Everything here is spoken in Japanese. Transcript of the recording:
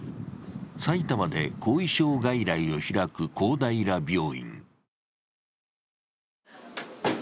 埼玉で後遺症外来を開く公平病院。